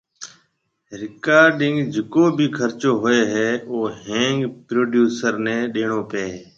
رڪارڊنگ جڪو بِي خرچو ھوئي ھيَََ او ۿينگ پروڊيوسر ني ڏيڻو پي ھيَََ